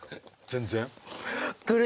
全然？